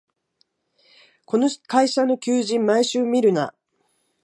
この会社の求人、毎週見るな